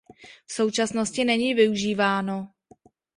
V současnosti není využíváno.